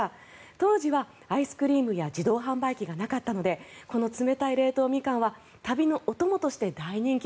当時はアイスクリームや自動販売機がなかったのでこの冷たい冷凍ミカンは旅のお供として大人気。